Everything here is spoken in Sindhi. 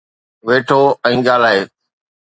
ويٺو ۽ ڳالهائي